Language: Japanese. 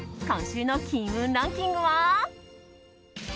今週の金運ランキングは。